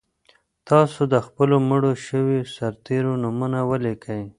تاسو د خپلو مړو شویو سرتېرو نومونه ولیکئ.